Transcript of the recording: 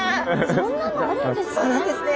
そんなのあるんですね。